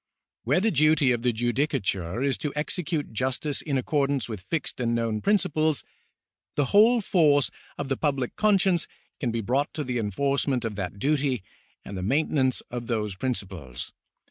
Where the duty of the judicatiu:e is to execute justice in accordance Avith fixed and known principles, the whole force of the public conscience can be brought to the enforcement of that duty and the maintenance of those principles.